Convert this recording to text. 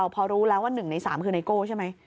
พอรู้แล้วว่าหนึ่งในสามคือในโก้ใช่ไหม